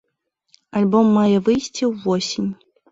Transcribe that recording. Альбом мае выйсці ўвосень.